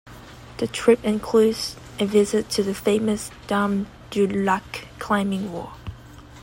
The trip includes a visit to the famous Dame Du Lac climbing wall.